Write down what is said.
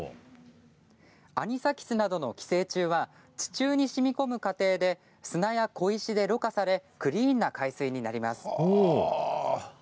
アニサキスなどの寄生虫は地中にしみこむ過程で砂や小石でろ過されクリーンな海水になります。